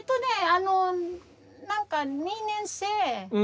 あのなんか２年生。